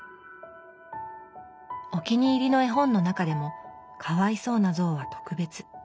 お気に入りの絵本の中でも「かわいそうなぞう」は特別。